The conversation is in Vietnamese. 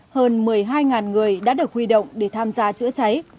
hơn một mươi hai người đã được huy động để tham gia chữa cháy